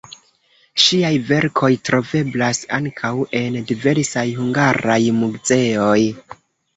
Ŝiaj verkoj troveblas ankaŭ en diversaj hungaraj muzeoj.